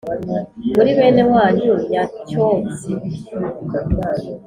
muri bene wanyu nyacyotsi,